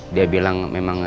dia bilang memang